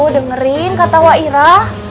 dengerin kata wak ira